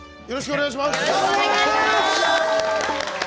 よろしくお願いします。